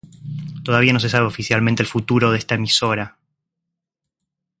Todavía no se sabe oficialmente el futuro de esta emisora.